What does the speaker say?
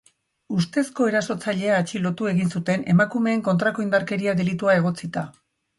Ustezko erasotzailea atxilotu egin zuten, emakumeen kontrako indarkeria delitua egotzita.